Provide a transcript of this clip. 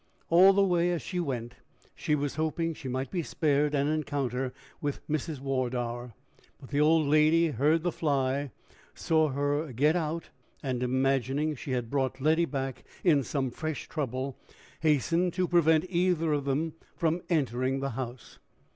All the way, as she went, she was hoping she might be spared an encounter with Mrs. Wardour; but the old lady heard the fly, saw her get out, and, imagining she had brought Letty back in some fresh trouble, hastened to prevent either of them from entering the house.